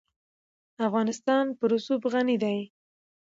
افغانستان په رسوب غني دی.